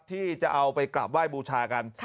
ที่จะเอาไปกราบไหว้บูชากัน